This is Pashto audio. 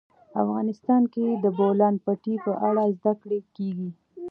افغانستان کې د د بولان پټي په اړه زده کړه کېږي.